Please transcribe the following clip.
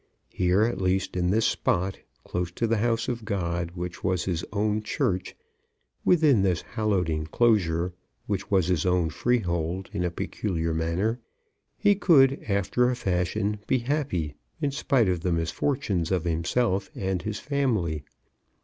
Here, at least, in this spot, close to the house of God which was his own church, within this hallowed enclosure, which was his own freehold in a peculiar manner, he could, after a fashion, be happy, in spite of the misfortunes of himself and his family.